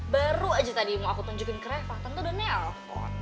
baru aja tadi mau aku tunjukin ke reva tante udah nelpon